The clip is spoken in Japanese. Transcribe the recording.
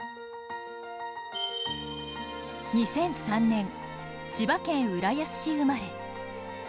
２００３年、千葉県浦安市生まれ。